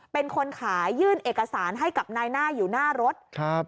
เป็นคนขายยื่นเอกสารให้กับนายหน้าอยู่หน้ารถครับ